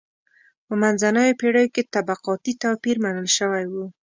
په منځنیو پېړیو کې طبقاتي توپیر منل شوی و.